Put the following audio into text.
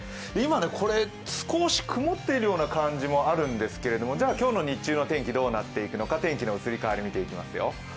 今、少し曇っているような感じもあるんですけれども今日の日中の天気はどうなっていくのか、天気の移り変わりを見ていきます。